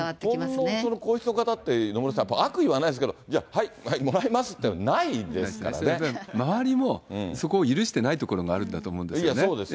日本の皇室の方って、野村さん、やっぱり悪意はないですけど、じゃあ、はい、はい、もらいますっ周りも、そこを許してないところがあるんだと思うんですね。